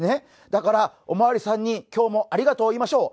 だから、おまわりさんに今日もありがとうを言いましょう。